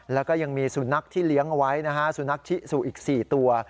แล้วก็ยังมีสุนัขที่เลี้ยงเอาไว้นะฮะสุนัขชิสุอีก๔ตัว